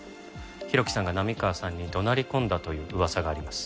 浩喜さんが波川さんに怒鳴り込んだという噂があります。